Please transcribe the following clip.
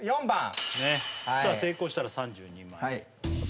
４番成功したら３２万